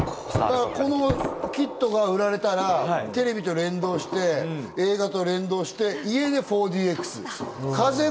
このキットが売られたら、テレビと連動して、映画と連動して家で４ＤＸ。